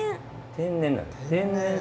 天然なんです。